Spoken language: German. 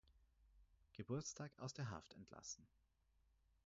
Geburtstag aus der Haft entlassen.